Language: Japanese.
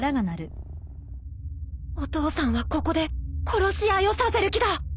お父さんはここで殺し合いをさせる気だ